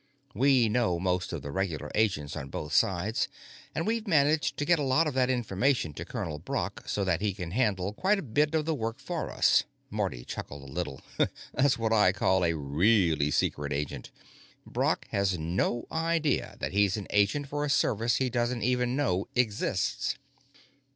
We know most of the regular agents on both sides, and we've managed to get a lot of that information to Colonel Brock so that he can handle quite a bit of the work for us." Marty chuckled a little. "That's what I call a really secret agent. Brock has no idea that he's an agent for a service he doesn't even know exists."